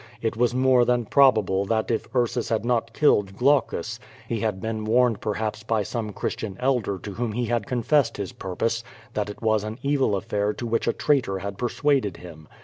It was more than probable that if Ursus had not killed Ulaucus, he had been warned perhaps by some Christian elder to whom he had confessed his purjjose, that it was an evil affair to which a traitor had persuaded him.